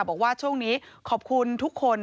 บอกว่าช่วงนี้ขอบคุณทุกคน